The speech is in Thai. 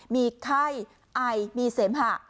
มีไข้ไอมีเสมหะ